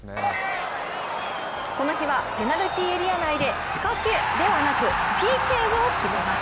この日は、ペナルティーエリア内で、仕掛けではなくＰＫを決めます。